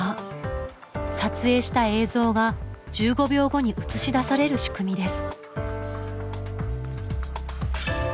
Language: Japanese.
撮影した映像が１５秒後に映し出される仕組みです。